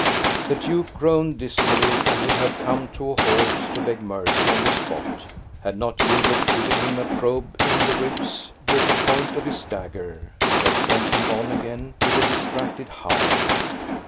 The duke groaned dismally, and would have come to a halt to beg mercy on the spot, had not Hubert given him a probe in, the ribs with the point of his dagger, that sent him on again, with a distracted howl.